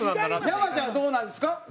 山ちゃんはどうなんですか？